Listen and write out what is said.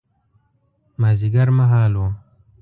مازیګر مهال و.